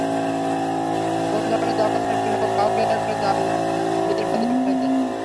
কোন ধরনের জঘন্য একটা লোক কাউকে একটা জাল বিয়ের ফাঁদে ফেলে?